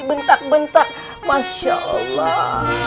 bentar masya allah